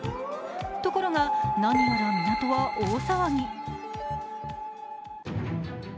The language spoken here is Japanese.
ところが何やら港は大騒ぎ。